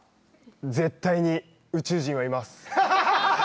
絶対に宇宙人はいます。